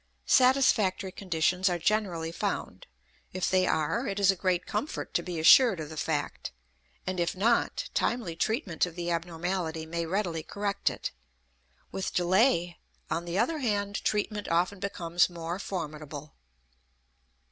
Satisfactory conditions are generally found; if they are, it is a great comfort to be assured of the fact; and if not, timely treatment of the abnormality may readily correct it; with delay, on the other hand, treatment often becomes more formidable.